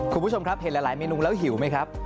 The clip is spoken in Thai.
คุณผู้ชมครับเห็นหลายเมนูแล้วหิวไหมครับ